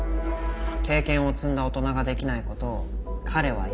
経験を積んだ大人ができないことを彼はやろうとしてる。